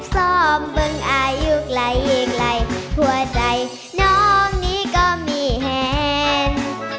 ส้อมเบิ้งอายุไกลยิ่งไหลหัวใจน้องนี้ก็มีแฮน